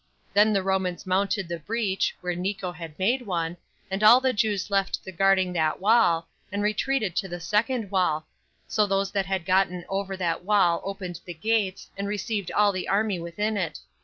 Then the Romans mounted the breach, where Nico had made one, and all the Jews left the guarding that wall, and retreated to the second wall; so those that had gotten over that wall opened the gates, and received all the army within it.